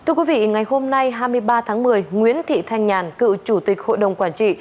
thưa quý vị ngày hôm nay hai mươi ba tháng một mươi nguyễn thị thanh nhàn cựu chủ tịch hội đồng quản trị